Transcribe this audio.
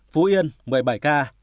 phú yên một mươi bảy ca